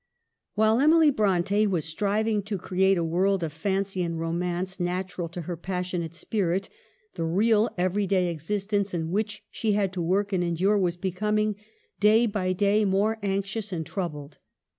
While Emily Bronte was striving to create a world of fancy and romance natural to her pas sionate spirit, the real, every day existence in which she had to work and endure was becoming day by day more anxious and troubled.